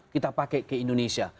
kita pakai ke indonesia